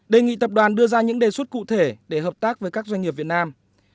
đề nghị tập đoàn đưa ra những đề xuất cụ thể để hợp tác với các doanh nghiệp việt nam